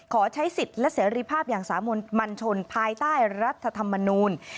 ขอใช้สิทธิ์และเสรีภาพอย่างสามนมันชนภายใต้รัฐธรรมนูล